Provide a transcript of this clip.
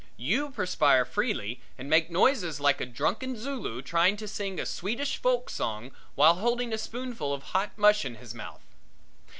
You perspire freely and make noises like a drunken Zulu trying to sing a Swedish folk song while holding a spoonful of hot mush in his mouth.